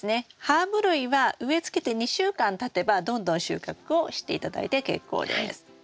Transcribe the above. ハーブ類は植えつけて２週間たてばどんどん収穫をして頂いて結構です。